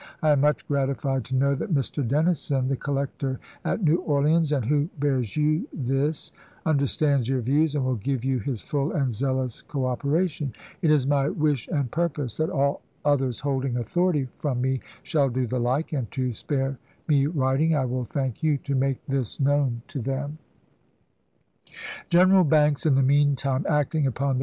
I am much gratified to know that Mr. Dennison, the collector at New Orleans, and who bears you this, understands your views and will give you his full and zealous cooperation. It is my wish and pur Lincoin to P^^® ^^^^^^ others holding authority from me shaU do Fan^vi ^^^^^^^'^"^^^^ spare me writing I will thank you to 1864. ' MS. make this known to them. LOUISIANA FREE 431 General Banks, in the mean time, acting upon the ch.